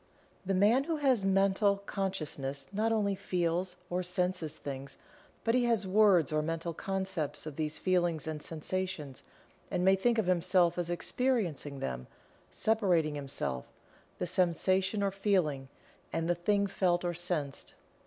The Man who has Mental Consciousness not only "feels" or "senses" things, but he has words or mental concepts of these feelings and sensations and may think of himself as experiencing them, separating himself, the sensation or feeling, and the thing felt or sensed.